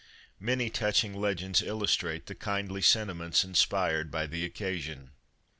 Many touching legends illustrate the kindly sentiments inspired by the occasion.